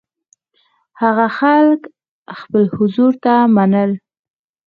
هغه خلک خپل حضور ته منل.